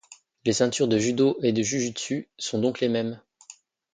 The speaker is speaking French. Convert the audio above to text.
Les ceintures de judo et de jujutsu sont donc les mêmes.